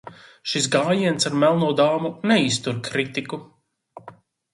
Šis gājiens ar melno dāmu neiztur kritiku.